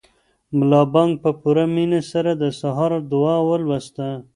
ملا بانګ په پوره مینه سره د سهار دعا ولوسته.